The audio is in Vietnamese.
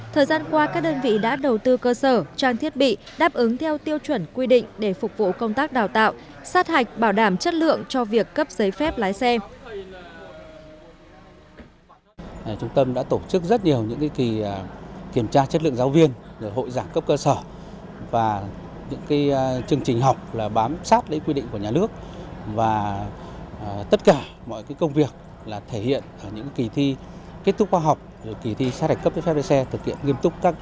thời gian qua các đơn vị đã đầu tư cơ sở trang thiết bị đáp ứng theo tiêu chuẩn quy định để phục vụ công tác đào tạo sát hạch bảo đảm chất lượng cho việc cấp giấy phép lái xe